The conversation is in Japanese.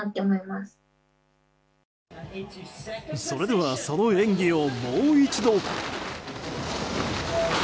それではその演技をもう一度。